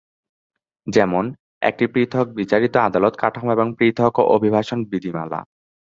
যেমন: একটি পৃথক বিচারিক আদালত কাঠামো এবং পৃথক অভিবাসন বিধিমালা।